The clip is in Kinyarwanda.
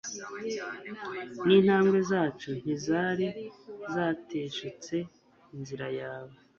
n’intambwe zacu ntizari zateshutse inzira yawe